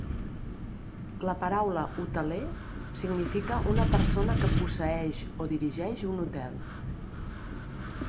La paraula "hoteler" significa "una persona que posseeix o dirigeix un hotel".